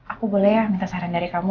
aku boleh ya minta saran dari kamu